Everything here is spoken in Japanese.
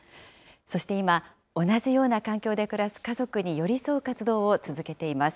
そして今、同じような環境で暮らす家族に寄り添う活動を続けています。